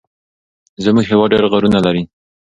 زمونږ هيواد ډير غرونه لري.